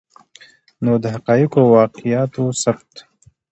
نو د حقایقو او واقعاتو ثبت